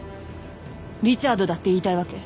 リチャードだって言いたいわけ？